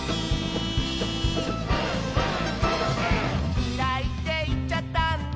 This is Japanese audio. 「きらいっていっちゃったんだ」